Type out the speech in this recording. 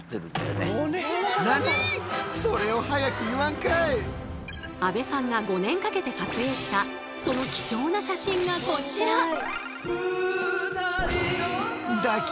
この日阿部さんが５年かけて撮影したその貴重な写真がこちら。